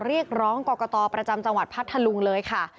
เรียกร้องกรกตประจำจังหวัดพัทธลุงเลยค่ะ